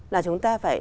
là chúng ta phải